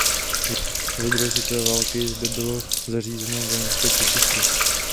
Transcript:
Za druhé světové války zde bylo zřízeno vojenské cvičiště.